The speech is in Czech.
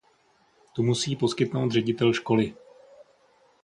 Tu musí poskytnout ředitel školy.